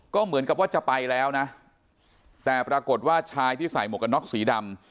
ก็เหมือนกับว่าจะไปแล้วนะแต่ปรากฏว่าชายที่ใส่หมวกกันน็อกสีดำ